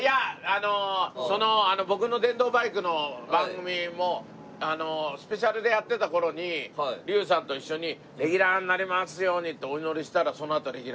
あの僕の電動バイクの番組もスペシャルでやってた頃に竜さんと一緒にレギュラーになれますようにってお祈りしたらへえ！